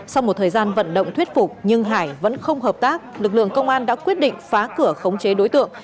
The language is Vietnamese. sau một thời gian vận động thuyết phục nhưng hải vẫn không hợp tác lực lượng công an đã quyết định phá cửa khống chế đối tượng